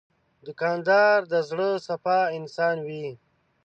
دوکاندار د زړه صفا انسان وي.